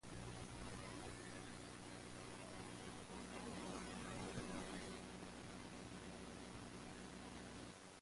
He has defended George W. Bush and neoconservative policies.